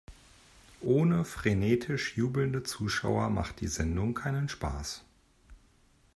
Ohne frenetisch jubelnde Zuschauer macht die Sendung keinen Spaß.